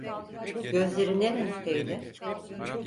Gözleri ne renkteydi?